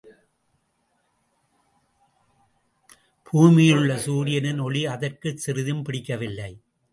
பூமியிலுள்ள சூரியனின் ஒளி அதற்குக் சிறிதும் பிடிக்கவில்லை!